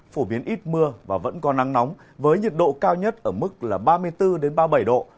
phổ biến ít mưa và vẫn có nắng nóng với nhiệt độ cao nhất ở mức là ba mươi bốn ba mươi bảy độ